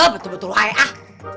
betul betul lu hai ah